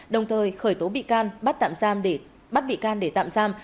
đồng thời khởi tố bị can bắt bị can để tạm giam